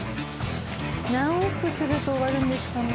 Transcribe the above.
何往復すると終わるんですかね？